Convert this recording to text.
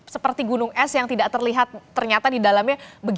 seperti gunung es yang tidak terlihat ternyata di dalamnya